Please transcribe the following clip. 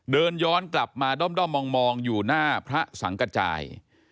เดินย้อนกลับมาด้อมมองอยู่หน้าพระสังกระจาย